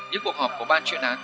những cuộc họp của ban chuyên án